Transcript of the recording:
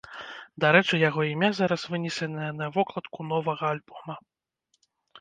Дарэчы, яго імя зараз вынесенае на вокладку новага альбома.